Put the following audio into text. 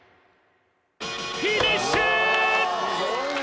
フィニッシュー！